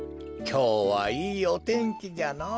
きょうはいいおてんきじゃのぉ。